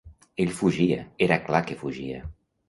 Ell fugia, era clar que fugia.